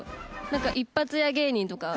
なんか一発屋芸人とか？